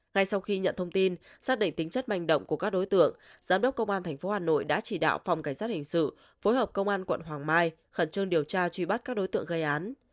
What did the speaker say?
ngay sau khi nhận thông tin xác định tính chất manh động của các đối tượng giám đốc công an tp hà nội đã chỉ đạo phòng cảnh sát hình sự phối hợp công an quận hoàng mai khẩn trương điều tra truy bắt các đối tượng gây án